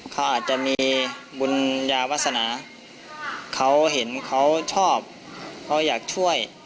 เขาอาจจะมีบุญญาวาสนาเขาเห็นเขาชอบเขาอยากช่วย